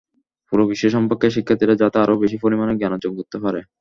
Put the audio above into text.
পুরো বিশ্ব সম্পর্কে শিক্ষার্থীরা যাতে আরও বেশি পরিমাণে জ্ঞানার্জন করতে পারে।